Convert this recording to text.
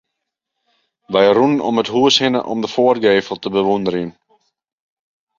Wy rûnen om it hús hinne om de foargevel te bewûnderjen.